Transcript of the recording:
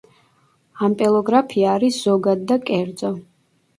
ამპელოგრაფია არის ზოგად და კერძო.